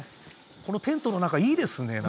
テントの中、いいですね